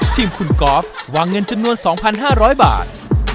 ทีมคุณกอล์ฟวางเงินจำนวน๒๕๐๐บาท